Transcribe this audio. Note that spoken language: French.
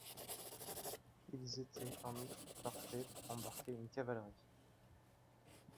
Ils étaient en outre parfaits pour embarquer une cavalerie.